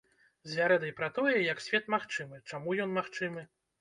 З вярэдай пра тое, як свет магчымы, чаму ён магчымы.